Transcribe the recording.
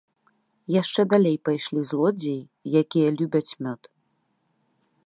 Яшчэ далей пайшлі злодзеі, якія любяць мёд.